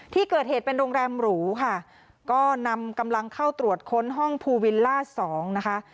ที่เกิดเหตุเป็นโรงแรมหรูค่ะก็นำกำลังเข้าตรวจค้นห้องภูวิลล่าสองนะคะ